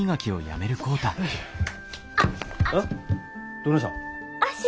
どないしたん？